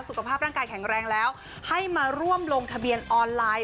สุขภาพร่างกายแข็งแรงแล้วให้มาร่วมลงทะเบียนออนไลน์